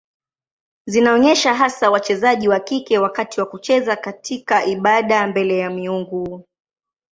Zinaonyesha hasa wachezaji wa kike wakati wa kucheza katika ibada mbele ya miungu.